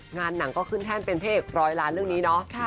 งานหนังก็ขึ้นแท่นเป็นเพลง๑๐๐ล้านเรื่องนี้เนอะ